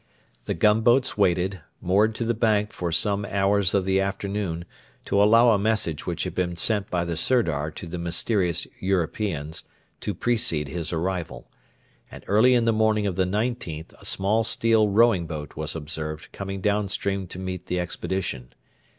The gunboats waited, moored to the bank for some hours of the afternoon, to allow a message which had been sent by the Sirdar to the mysterious Europeans, to precede his arrival, and early in the morning of the 19th a small steel rowing boat was observed coming down stream to meet the expedition.